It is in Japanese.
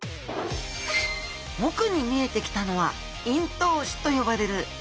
奥に見えてきたのは咽頭歯と呼ばれる歯。